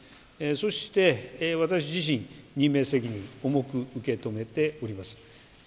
そして私自身、任命責任、重く受け止めております。